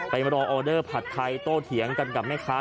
ไปรอออเดอร์ผัดไทยโตเถียงกันกับแม่ค้า